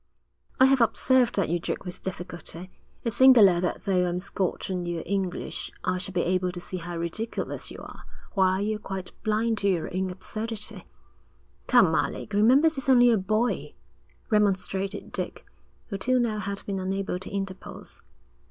'I have observed that you joke with difficulty. It's singular that though I'm Scotch and you are English, I should be able to see how ridiculous you are, while you're quite blind to your own absurdity.' 'Come, Alec, remember he's only a boy,' remonstrated Dick, who till now had been unable to interpose.